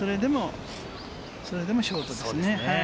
それでもショートですね。